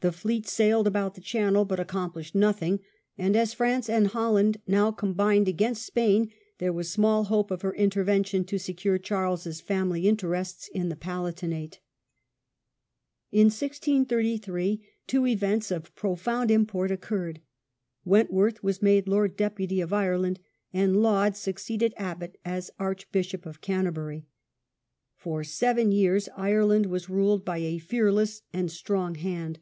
The fleet sailed about the channel but accom plished nothing, and as France and Holland now com bined against Spain there was small hope of her interven tion to secure Charles's family interests in the Palatinate. In 1633 two events of profound import occurred. Wentworth was made Lord Deputy of Ireland, and Laud succeeded Abbott as Archbishop of wentworth Canterbury. For seven years Ireland was and Laud, ruled by a fearless and strong hand.